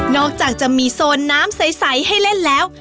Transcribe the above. อกจากจะมีโซนน้ำใสให้เล่นแล้ว